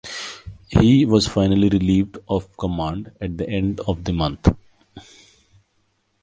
He was finally relieved of command at the end of the month.